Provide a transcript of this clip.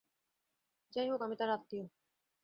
যাইহোক, আমি তার আত্মীয়।